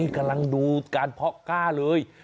กำลังดูการเพาะก้าเลย